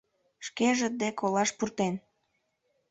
Шкеже дек олаш пуртен.